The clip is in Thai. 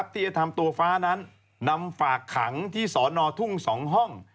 ที่จะทำตัวฟ้านั้นนำฝากขังที่สอนอทุ่ง๒ห้อง